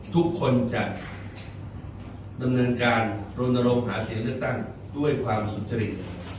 ทุกคนจะดำเนินการรณรงค์หาเสียงเลือกตั้งด้วยความสุจริต